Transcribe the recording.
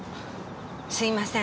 すいません。